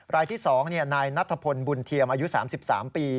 รายที่๒นายนัทพลบุญเทียมอายุ๓๓ปี